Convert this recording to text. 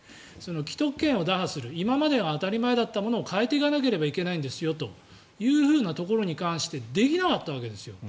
既得権を打破する今までは当たり前だったものを変えていかなければいけないんですよというところに関してできなかったわけですよ。